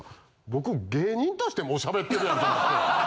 僕芸人としてもうしゃべってるやんって思って。